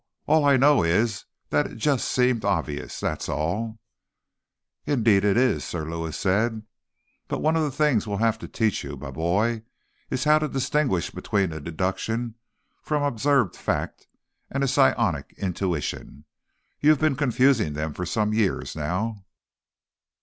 All I know is that it just seemed obvious. That's all." "Indeed it is," Sir Lewis said. "But one of the things we'll have to teach you, my boy, is how to distinguish between a deduction from observed fact and a psionic intuition. You've been confusing them for some years now."